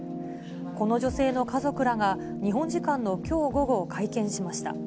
この女性の家族らが、日本時間のきょう午後、会見しました。